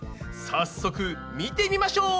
早速見てみましょう！